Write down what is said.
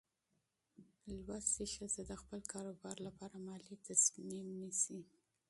زده کړه ښځه د خپل کاروبار لپاره مالي تصمیم نیسي.